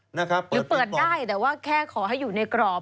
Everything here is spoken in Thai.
หรือเปิดได้แต่ว่าแค่ขอให้อยู่ในกรอบ